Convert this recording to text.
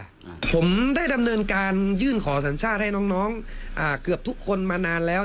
อืมผมได้ดำเนินการยื่นขอสัญชาติให้น้องน้องอ่าเกือบทุกคนมานานแล้ว